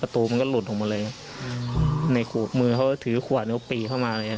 ประตูมันก็หลุดออกมาเลยอ่ะในขูบมือเขาถือขวานแล้วปีเข้ามาเลยอ่ะ